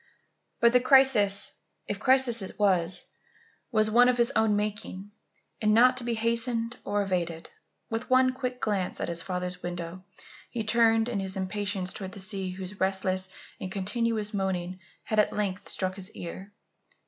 But the crisis, if crisis it was, was one of his own making and not to be hastened or evaded. With one quick glance at his father's window, he turned in his impatience towards the sea whose restless and continuous moaning had at length struck his ear.